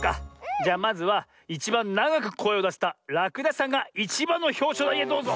じゃあまずはいちばんながくこえをだせたらくだしさんがいちばんのひょうしょうだいへどうぞ。